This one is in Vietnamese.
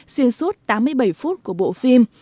xuyên suốt tám mươi bảy phút của bộ phim